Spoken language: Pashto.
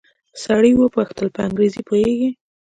سړي وپوښتل په انګريزي پوهېږې.